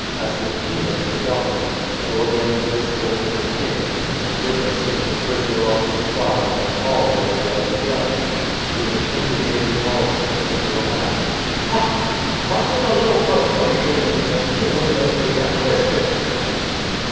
As with Felix, the gov ernor, so again with this Oriental king, Agrippa seemed the prisoner on his trial and Paul in the chair of the judge. So the king evaded Paul's question with a laugh. " With but little persuasion," he said, " you would make me a Christian."